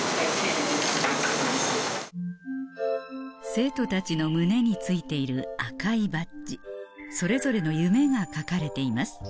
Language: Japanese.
生徒たちの胸に付いている赤いバッジそれぞれの夢が書かれています